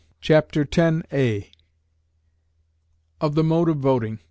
Chapter X Of the Mode of Voting.